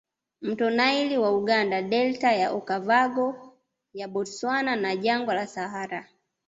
Mto Nile wa Uganda Delta ya Okava ngo ya Bostwana na Jangwa la Sahara